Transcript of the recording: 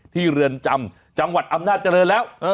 เรือนจำจังหวัดอำนาจริงแล้ว